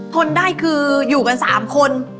ทนได้คืออยู่กัน๓คน